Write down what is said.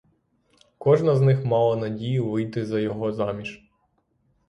Кожна з них мала надію вийти за його заміж.